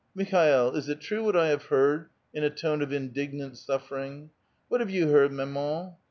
''Michel, is it true what I have heard?" in a tone of in / dignant suffering. '' What have you heard, mam an?